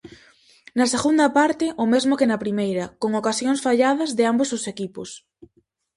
Na segunda parte o mesmo que na primeira, con ocasións falladas de ambos os equipos.